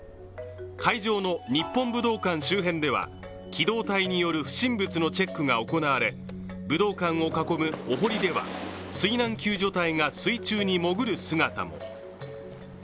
会場の日本武道館周辺では機動隊による不審物のチェックが行われ、武道館を囲むおほりでは、水難救助隊が水中に潜る姿も。